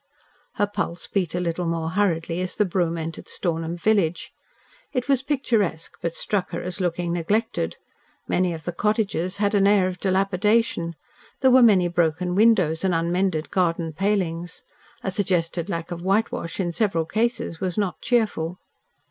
Her pulse beat a little more hurriedly as the brougham entered Stornham village. It was picturesque, but struck her as looking neglected. Many of the cottages had an air of dilapidation. There were many broken windows and unmended garden palings. A suggested lack of whitewash in several cases was not cheerful.